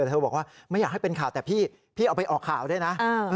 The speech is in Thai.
แต่เธอบอกว่าไม่อยากให้เป็นข่าวแต่พี่เอาไปออกข่าวด้วยนะ